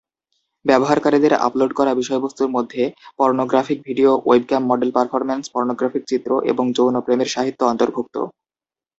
ব্যবহারকারীদের আপলোড করা বিষয়বস্তুর মধ্যে: pornographic video, webcam model performance, pornographic চিত্র এবং যৌন প্রেমের সাহিত্য অন্তর্ভুক্ত।